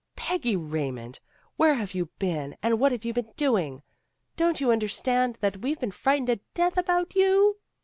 "Peggy Raymond, where have you been and what have you been doing? Don't you under stand that we've been frightened to death about you?"